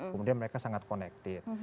kemudian mereka sangat connected